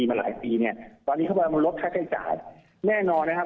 มาหลายปีเนี่ยตอนนี้เขากำลังลดค่าใช้จ่ายแน่นอนนะครับ